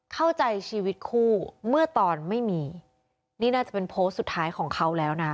เข้าใจชีวิตคู่เมื่อตอนไม่มีนี่น่าจะเป็นโพสต์สุดท้ายของเขาแล้วนะ